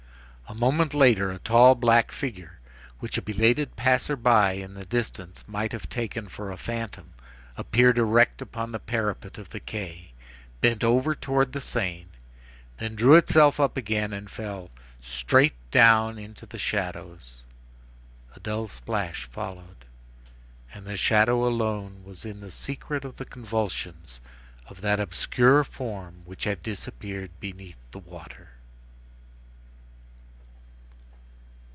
A moment later, a tall black figure, which a belated passer by in the distance might have taken for a phantom, appeared erect upon the parapet of the quay, bent over towards the Seine, then drew itself up again, and fell straight down into the shadows; a dull splash followed; and the shadow alone was in the secret of the convulsions of that obscure form which had disappeared beneath the water.